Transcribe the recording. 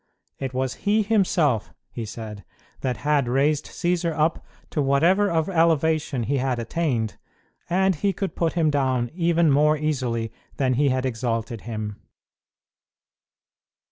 It was he himself, he said, that had raised Cćsar up to whatever of elevation he had attained, and he could put him down even more easily than he had exalted him.